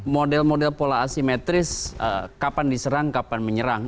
model model pola asimetris kapan diserang kapan menyerang